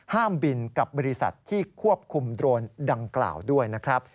ห้ามบินกับบริษัทที่ควบคุมโดรนดำกล่าวด้วย